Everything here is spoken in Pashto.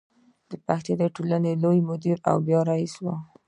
د پښتو ټولنې لوی مدیر او بیا رئیس و.